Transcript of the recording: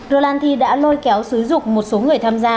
rolati đã lôi kéo sứ dục một số người tham gia